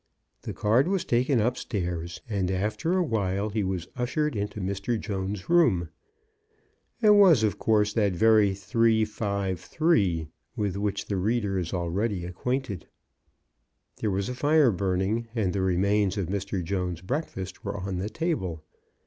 The card was taken up stairs, and after a while he was ushered into Mr. Jones's room. It was, of course, that very 353 with which the reader is already acquainted. There was a fire burn ing, and the remains of Mr. Jones's breakfast were on the table.